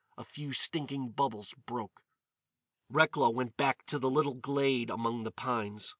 A few stinking bubbles broke. Recklow went back to the little glade among the pines.